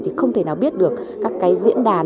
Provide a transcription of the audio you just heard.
thì không thể nào biết được các cái diễn đàn